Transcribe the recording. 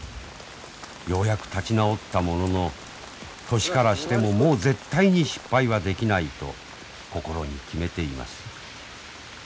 ようやく立ち直ったものの年からしてももう絶対に失敗はできないと心に決めています。